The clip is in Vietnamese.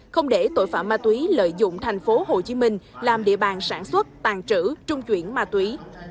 không để tội phạm ma túy lợi dụng tp hcm làm địa bàn sản xuất tàn trữ trung chuyển ma túy